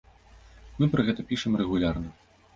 Мы пра гэта пішам рэгулярна.